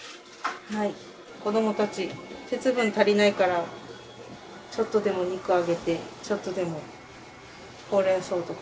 子どもたち鉄分足りないからちょっとでも肉をあげてちょっとでもほうれん草とか。